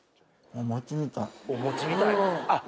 お餅みたい？あっ。